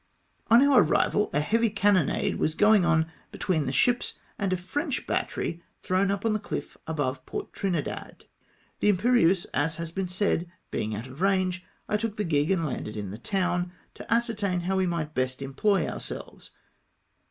On our arrival a heavy cannonade was gomg on between the ships and a French battery thrown up on the cliff above Fort Trinidad. The Imperieuse, as has been said, being out of range, I took the gig and landed in the town, to ascertain how we might best employ ourselves.